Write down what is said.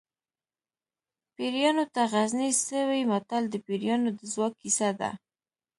پیریانو ته غزني څه وي متل د پیریانو د ځواک کیسه ده